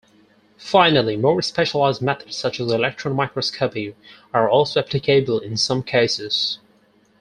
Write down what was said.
Finally, more specialized methods such as electron microscopy are also applicable in some cases.